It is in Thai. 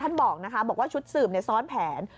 ท่านบอกว่าชุดสืบในซ้อนแผน